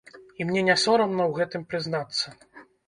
І мне не сорамна ў гэтым прызнацца.